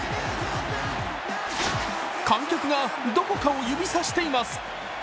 観客がどこかを指さしています。